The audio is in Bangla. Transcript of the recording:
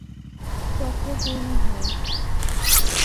চক্র পূর্ণ হয়।